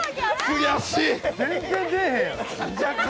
悔しい！